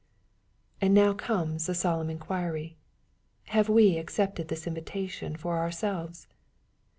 And now comes the solemn inquiry, Have we accepted this invitation for ourselves